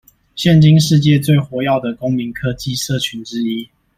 現今世界最活躍的公民科技社群之一